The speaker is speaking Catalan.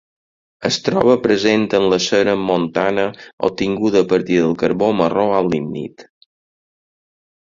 Es troba present en la cera montana obtinguda a partir del carbó marró o lignit.